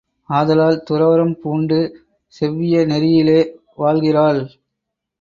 ஆதலால், துறவறம் பூண்டு செவ்விய நெறியிலே வாழ்கிறாள்.